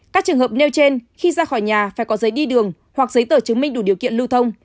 các trường hợp nêu trên khi ra khỏi nhà phải có giấy đi đường hoặc giấy tờ chứng minh đủ điều kiện lưu thông